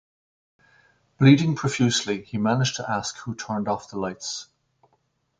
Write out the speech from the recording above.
Bleeding profusely, he managed to ask who turned off the lights?